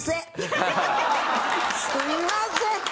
すいません！